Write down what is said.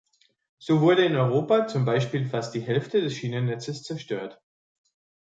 So wurde in Europa zum Beispiel fast die Hälfte des Schienennetzes zerstört.